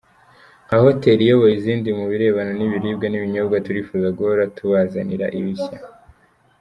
Nka hoteli iyoboye izindi mu birebana n’ibiribwa n’ibinyobwa, turifuza guhora tubazanira ibishya.